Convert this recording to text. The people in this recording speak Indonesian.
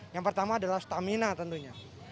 yang pertama adalah stamina tentunya